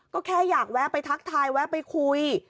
ก็แค่อยากแวะไปทักทายแวะไปคุย